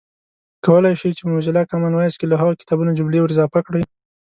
کولای شئ چې په موزیلا کامن وایس کې له کتابونو جملې ور اضافه کړئ